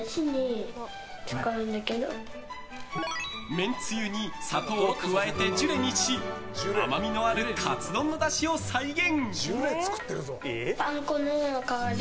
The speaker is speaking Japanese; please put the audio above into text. めんつゆに砂糖を加えてジュレにし甘みのあるカツ丼のだしを再現。